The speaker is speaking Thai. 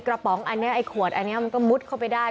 ป๋องอันนี้ไอ้ขวดอันนี้มันก็มุดเข้าไปได้